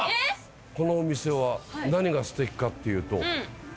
このお店は何がステキかっていうと。